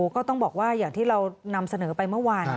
ก็ต้องบอกว่าอย่างที่เรานำเสนอไปเมื่อวาน